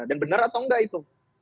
benar atau enggak itu